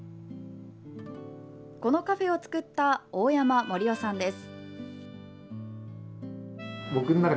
このカフェを作った大山壮郎さんです。